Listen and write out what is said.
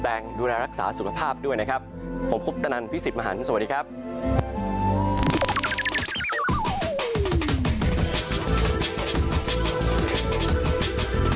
โปรดติดตามตอนต่อไป